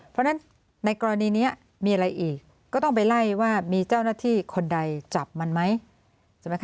เพราะฉะนั้นในกรณีนี้มีอะไรอีกก็ต้องไปไล่ว่ามีเจ้าหน้าที่คนใดจับมันไหมใช่ไหมคะ